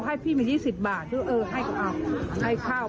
แม่เป็นศพเสียชีวิตแล้ว